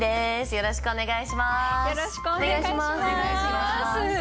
よろしくお願いします。